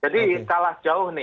jadi kalah jauh nih